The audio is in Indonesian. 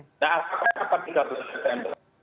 nah asapnya dapat tiga puluh september